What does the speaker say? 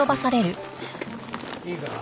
いいか？